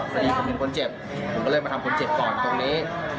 พอดีผมเห็นคนเจ็บผมก็เลยมาทำคนเจ็บก่อนตรงนี้